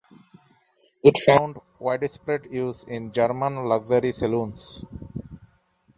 It found widespread use in German luxury saloons.